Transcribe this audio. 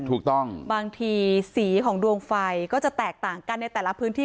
ถูกต้องบางทีสีของดวงไฟก็จะแตกต่างกันในแต่ละพื้นที่